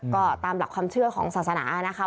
ก็ตามหลักความเชื่อของศาสนานะคะ